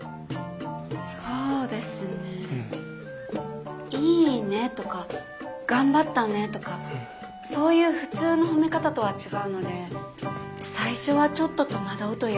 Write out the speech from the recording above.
そうですねいいねとか頑張ったねとかそういう普通の褒め方とは違うので最初はちょっと戸惑うというか。